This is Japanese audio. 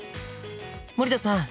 森田さん